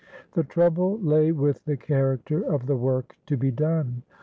The trouble lay with the character of the work to be done.